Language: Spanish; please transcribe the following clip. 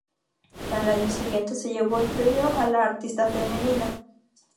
Al año siguiente se llevó el premio a la Artista femenina.